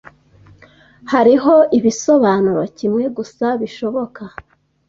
Hariho ibisobanuro kimwe gusa bishoboka.